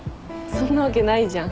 そんなわけないじゃん。